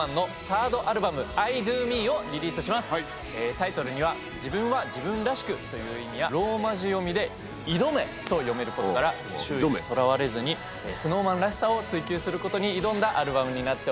タイトルには自分は自分らしくという意味やローマ字読みで「挑め」と読めることから周囲にとらわれずにＳｎｏｗＭａｎらしさを追求することに挑んだアルバムになっております。